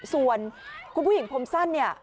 ส่วนคุณผู้หญิงผมสั้นเนี่ย